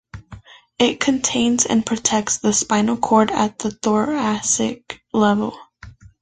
It contains and protects the spinal cord at the thoracic level.